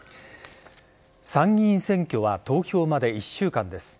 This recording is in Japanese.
参議院選挙は投票まで１週間です。